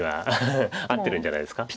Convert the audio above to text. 合ってるんじゃないですか。